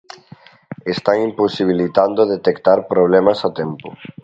Están imposibilitando detectar problemas a tempo.